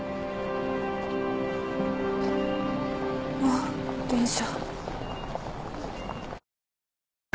あっ電車。